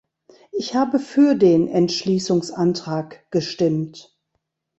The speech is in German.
Ich habe für den Entschließungsantrag gestimmt.